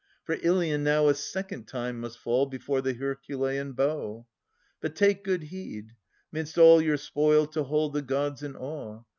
For Ilion now a second time must fall Before the Herculean bow. But, take good heed. Midst all your spoil to hold the gods in awe.